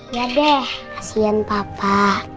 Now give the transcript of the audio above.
iya deh kasian papa